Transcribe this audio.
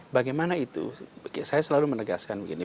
bagaimana itu saya selalu menegaskan begini